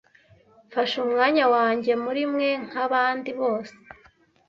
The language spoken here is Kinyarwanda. Mfashe umwanya wanjye muri mwe nkabandi bose,